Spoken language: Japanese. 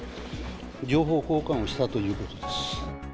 情報交換をしたということです。